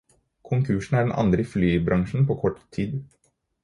Konkursen er den andre i flybransjen på kort tid.